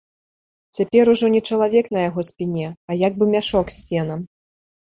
Цяпер ужо не чалавек на яго спіне, а як бы мяшок з сенам.